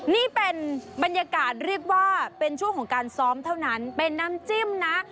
นี่เป็นบรรยากาศเรียกว่าเป็นช่วงของการซ้อมเท่านั้นเป็นน้ำจิ้มนะ